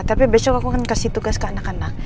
tapi besok aku akan kasih tugas ke anak anak